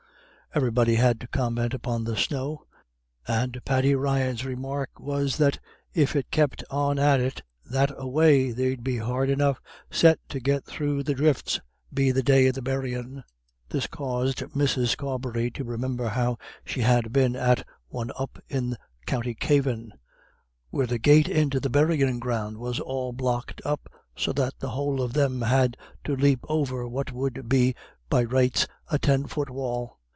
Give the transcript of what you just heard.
Everybody had to comment upon the snow, and Paddy Ryan's remark was that "if it kep' on at it that a way, they'd be hard enough set to get through the dhrifts be the day of the buryin'." This caused Mrs. Carbery to remember how she "had been at a one up in the County Cavan, where the gate into the buryin' ground was all blocked up, so that the whole of them had to lep over what would be be rights a ten fut wall.